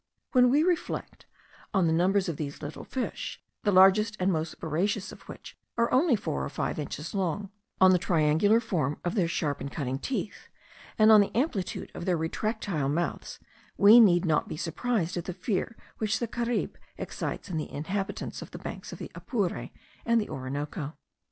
When we reflect on the numbers of these fish, the largest and most voracious of which are only four or five inches long, on the triangular form of their sharp and cutting teeth, and on the amplitude of their retractile mouths, we need not be surprised at the fear which the caribe excites in the inhabitants of the banks of the Apure and the Orinoco.